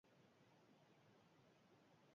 Euskal Herriko ikurrinak gurutze latindar zuria du.